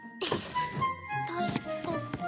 確か。